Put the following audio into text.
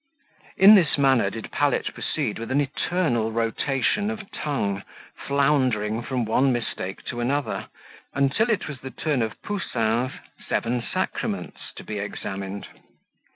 In this manner did Pallet proceed with an eternal rotation of tongue, floundering from one mistake to another, until it was the turn of Poussin's Seven Sacraments to be examined.